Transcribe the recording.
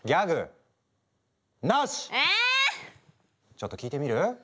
ちょっと聞いてみる？